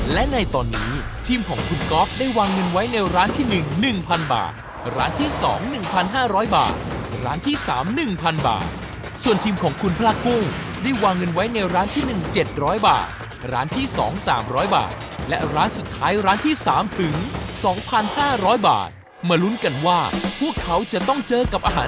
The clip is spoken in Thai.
และในตอนนี้ทีมของคุณก๊อฟได้วางเงินไว้ในร้านที่หนึ่งหนึ่งพันบาทร้านที่สองหนึ่งพันห้าร้อยบาทร้านที่สามหนึ่งพันบาทส่วนทีมของคุณพลาดพรุ่งได้วางเงินไว้ในร้านที่หนึ่งเจ็ดร้อยบาทร้านที่สองสามร้อยบาทและร้านสุดท้ายร้านที่สามถึงสองพันห้าร้อยบาทมาลุ้นกันว่าพวกเขาจะต้องเจอกับอาหาร